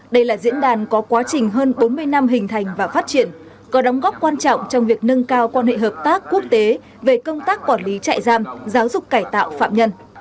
đây là diễn đàn có quá trình hơn bốn mươi năm hình thành và phát triển có đóng góp quan trọng trong việc nâng cao quan hệ hợp tác quốc tế về công tác quản lý trại giam giáo dục cải tạo phạm nhân